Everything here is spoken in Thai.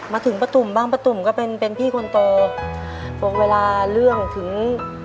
มาถึงป้าตุ๋มบ้างป้าตุ่มก็เป็นเป็นพี่คนโตเวลาเรื่องถึง